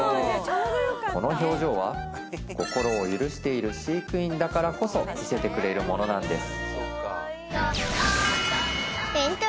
この表情は心を許している飼育員だからこそ見せてくれるものなんです